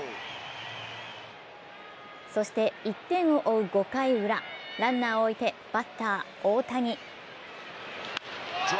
そして１点を追う５回ウラ、ランナーを置いて、バッター・大谷。